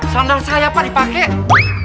sandal saya pak dipakai